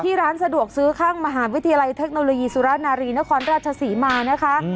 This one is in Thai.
ร้านสะดวกซื้อข้างมหาวิทยาลัยเทคโนโลยีสุรนารีนครราชศรีมานะคะ